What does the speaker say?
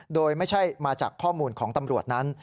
โดยไม่ใช่มาจากข้อมูลของตำรวจนั้น